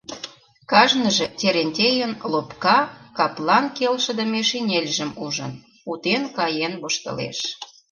Кажныже Терентейын лопка, каплан келшыдыме шинельжым ужын, утен каен воштылеш...